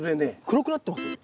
黒くなってますよ。